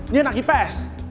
dia anak ips